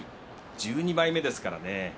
１２枚目ですからね。